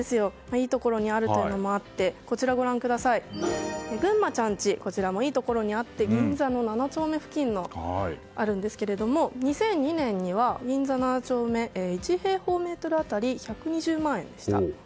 いいところにあるのもあってぐんまちゃん家もいいところにあって銀座の７丁目付近にありますが２００２年には銀座７丁目１平方メートル当たり１２０万円でした。